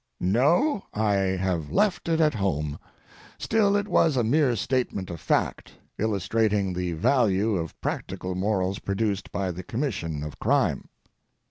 ] No! I have left it at home. Still, it was a mere statement of fact, illustrating the value of practical morals produced by the commission of crime.